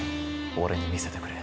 俺に見せてくれ。